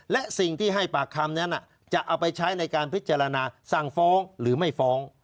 และสิ่งที่ให้ปากคำนั้นจะเอาไปใช้ในการพิจารณาสั่งฟ้องหรือไม่ฟ้อง